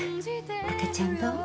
赤ちゃんどう？